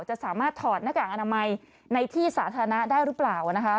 จะสามารถถอดหน้ากากอนามัยในที่สาธารณะได้หรือเปล่านะคะ